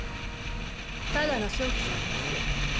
ただの娼婦じゃありません。